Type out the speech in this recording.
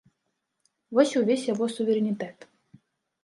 Вось і ўвесь яго суверэнітэт.